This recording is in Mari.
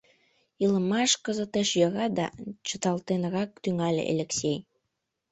— Илымаш кызытеш йӧра да... — чыталтенрак тӱҥале Элексей.